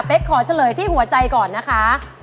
เป็นขอเฉลยที่หัวใจก่อนนะคะ